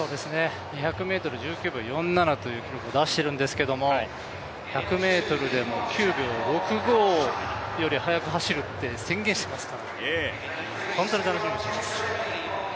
２００ｍ、１９秒４７という記録を出しているんですけど、１００ｍでも９秒６５より速く走ると宣言していますから、楽しみです。